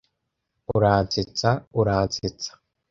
Uransetsa, uransetsa ...